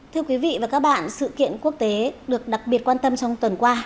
thưa quý vị và các bạn sự kiện quốc tế được đặc biệt quan tâm trong tuần qua